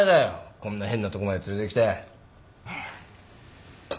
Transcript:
こんな変なとこまで連れてきて。